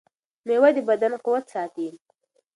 مېوه د بدن قوت ساتي.